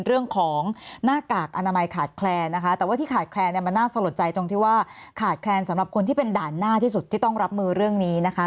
เรื่องของหน้ากากอนามัยขาดแคลนนะคะแต่ว่าที่ขาดแคลนเนี่ยมันน่าสะลดใจตรงที่ว่าขาดแคลนสำหรับคนที่เป็นด่านหน้าที่สุดที่ต้องรับมือเรื่องนี้นะคะ